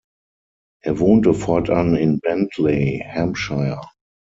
Er wohnte fortan in Bentley, Hampshire.